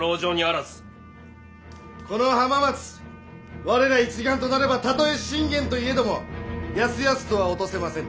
この浜松我ら一丸となればたとえ信玄といえどもやすやすとは落とせませぬ。